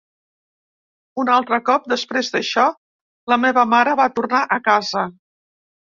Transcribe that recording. Un altre cop, després d’això, la meva mare va tornar a casa.